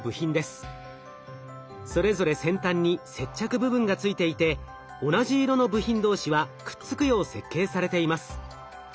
それぞれ先端に接着部分がついていて同じ色の部品同士はくっつくよう設計されています。